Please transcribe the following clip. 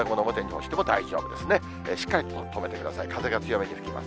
しっかりと留めてください、風が強めに吹きます。